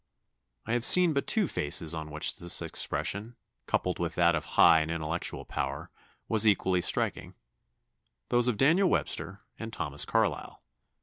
I have seen but two faces on which this expression, coupled with that of high and intellectual power, was equally striking those of Daniel Webster and Thomas Carlyle.